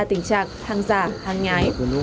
tình trạng hàng giả hàng nhái